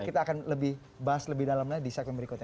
kita akan lebih bahas lebih dalamnya di segmen berikutnya